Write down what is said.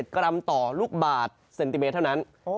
กรัมต่อลูกบาทเซนติเมตรเท่านั้น